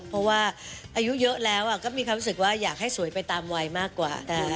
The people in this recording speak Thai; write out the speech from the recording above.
เพราะว่าอายุเยอะแล้วก็มีความรู้สึกว่าอยากให้สวยไปตามวัยมากกว่า